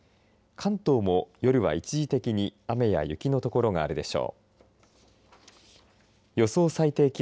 関東も夜は一時的に雨や雪の所があるでしょう。